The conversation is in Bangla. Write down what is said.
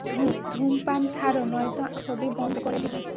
ধূমপান ছাড়ো, নয়ত আমি ছবি বন্ধ করে দিবো!